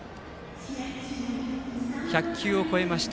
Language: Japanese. １００球を超えました。